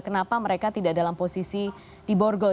kenapa mereka tidak dalam posisi di borgol